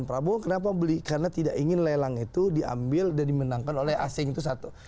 prabowo kenapa beli karena tidak ingin lelang itu diambil dan dimenangkan oleh asing itu satu